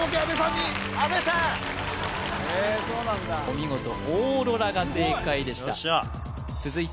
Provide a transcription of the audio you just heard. お見事オーロラが正解でしたすごい！